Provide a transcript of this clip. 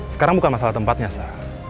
sekarang bukan masalah tempatnya sah